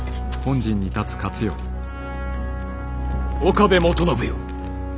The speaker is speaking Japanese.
岡部元信よ。